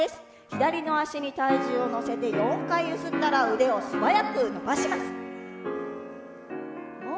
左の足に体重を乗せて４回揺すったら腕を素早く伸ばします。